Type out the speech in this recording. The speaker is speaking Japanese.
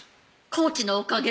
コーチのおかげ？